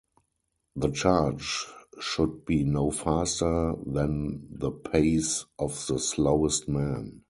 The charge should be no faster than the pace of the slowest man.